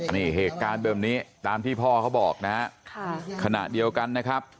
นี่เหตุการณ์แบบนี้ตามที่พ่อเขาบอกนะฮะค่ะขณะเดียวกันนะครับ